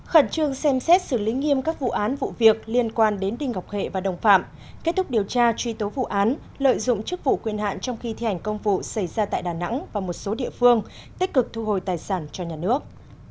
khẩn trương xem xét xử lý nghiêm các vụ án vụ việc liên quan đến đinh ngọc hệ và đồng phạm kết thúc điều tra truy tố vụ án lợi dụng chức vụ quyền hạn trong khi thi hành công vụ xảy ra tại đà nẵng và một số địa phương tích cực thu hồi tài sản cho nhà nước